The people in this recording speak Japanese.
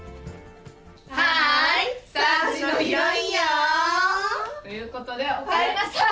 はーい、３時のヒロインよー。ということで、おかえりなさい。